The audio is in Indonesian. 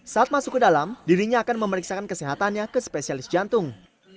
saat masuk ke dalam dirinya akan memeriksakan kesehatannya ke spesialis jantung